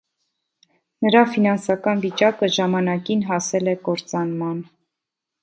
Նրա ֆինանսական վիճակը ժամանակին հասել է կործանման։